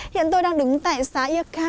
hiện tôi đang đứng tại xã yê kha